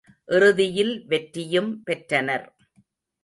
இறுதியில் வெற்றியும் பெற்றனர்.